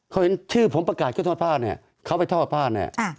เขาเห็นชื่อผมประกาศก็ทอดผ้าเนี่ยเขาไปทอดผ้าเนี่ย